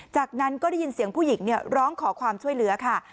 จากนั้นก็ได้ยินเสียงผู้หญิงร้องขอความช่วยเหลือค่ะ